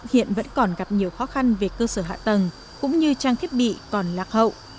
hiện vẫn còn gặp nhiều khó khăn về cơ sở hạ tầng cũng như trang thiết bị còn lạc hậu